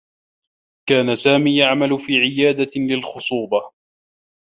كان سامي يعمل في عيادة للخصوبة.